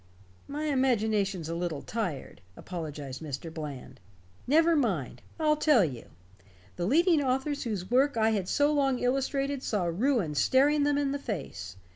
"My imagination's a little tired," apologized Mr. Bland. "Never mind. I'll tell you. The leading authors whose work I had so long illustrated saw ruin staring them in the face.